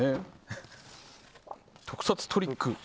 特撮トリック。